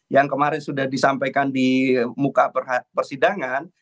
yang kemarin sudah disampaikan di muka persidangan